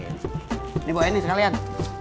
ini bu ini sekalian